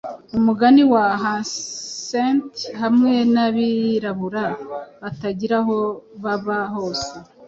umugani wa Hyacint hamwe nabirabura batagira aho baba hose